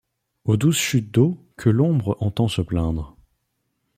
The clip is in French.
Aux douze chutes d’eau que l’ombre entend se plaindre